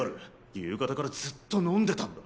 夕方からずっと飲んでたんだ。